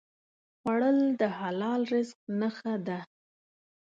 خوړل د حلال رزق نښه ده